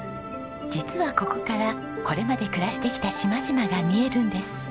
実はここからこれまで暮らしてきた島々が見えるんです。